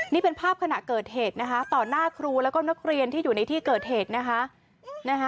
นี่เป็นภาพขณะเกิดเหตุนะคะต่อหน้าครูแล้วก็นักเรียนที่อยู่ในที่เกิดเหตุนะคะ